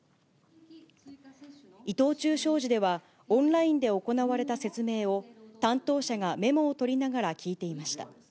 伊藤忠商事では、オンラインで行われた説明を、担当者がメモを取りながら聞いていました。